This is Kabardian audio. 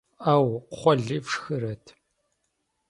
Ӏэу, кхъуэли фшхырэт?